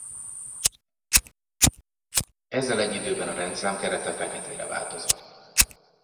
Ezzel egy időben a rendszám kerete feketére változott.